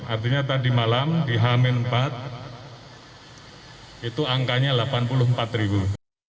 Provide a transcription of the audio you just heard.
artinya tadi malam di hamin empat itu angkanya delapan puluh empat ribu